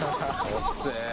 おっせえ！